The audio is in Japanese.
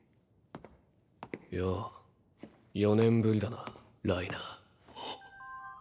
よう４年ぶりだなライナー。